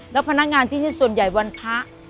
แล้วพนักงานที่ส่วนใหญ่วันพระ